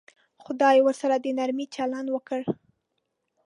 خدای ورسره د نرمي چلند وکړي.